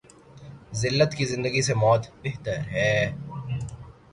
زلت کی زندگی سے موت بہتر ہے۔